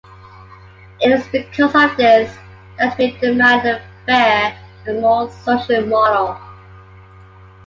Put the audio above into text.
It is because of this that we demand a fair and more social model.